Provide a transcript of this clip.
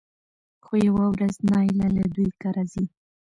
خو يوه ورځ نايله له دوی کره ځي